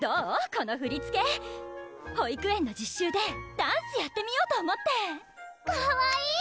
このふりつけ保育園の実習でダンスやってみようと思ってかわいい！